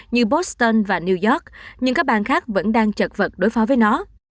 như boston và new york nhưng các bang khác vẫn đang chật vật đối phó với nó